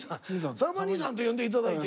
「さんま兄さん」と呼んで頂いて。